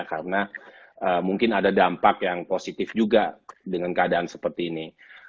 karena mungkin ada dampak yang positif juga dengan keadaan seperti ini